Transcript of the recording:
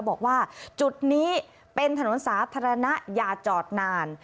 บอกว่าจุดนี้เป็นถนนสาธารณะอย่าจอดนาน